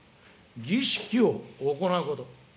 儀式を行うこと。